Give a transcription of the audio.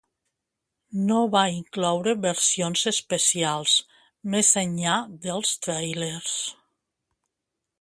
No va incloure versions especials més enllà dels tràilers.